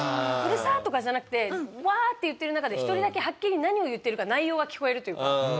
「うるさっ！」とかじゃなくてワーッて言ってる中で一人だけはっきり何を言ってるか内容が聞こえるというか。